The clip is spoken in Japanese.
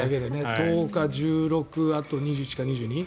１０日、１６日あと２１日か２２日。